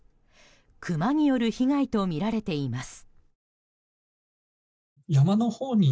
クマによる被害とみられています。